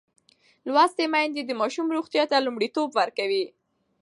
لوستې میندې د ماشوم روغتیا ته لومړیتوب ورکوي.